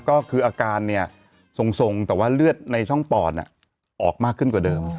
ก็คืออาการเนี่ยทรงแต่ว่าเลือดในช่องปอดออกมากขึ้นกว่าเดิม